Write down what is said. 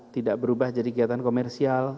tidak berubah jadi kegiatan komersial